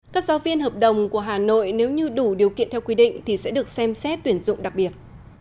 các giáo viên hợp đồng của hà nội nếu như đủ điều kiện theo quy định thì sẽ được xem xét tuyển dụng đặc biệt